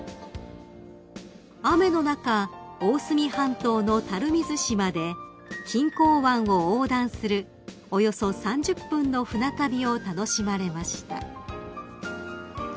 ［雨の中大隅半島の垂水市まで錦江湾を横断するおよそ３０分の船旅を楽しまれました］